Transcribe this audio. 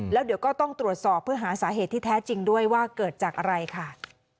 แล้วเดี๋ยวก็ต้องตรวจสอบเพื่อหาสาเหตุที่แท้จริงด้วยว่าเกิดจากอะไรค่ะ